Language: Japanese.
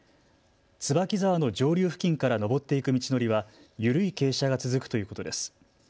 椿沢の上流付近から登っていく道のりは緩い傾斜が続くということです。